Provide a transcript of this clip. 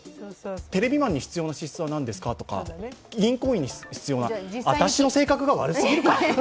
テレビマンに必要な資質は何ですかとかさ、私の性格が悪すぎるか。